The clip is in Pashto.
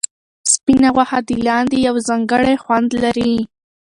سپینه غوښه د لاندي یو ځانګړی خوند لري.